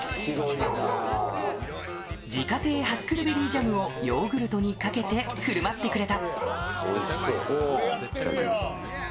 自家製ハックルベリージャムをヨーグルトにかけてふるまってくれた。